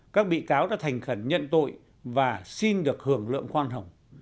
các bị cáo đã thành khẩn nhận tội và xin được hưởng lượng khoan hồng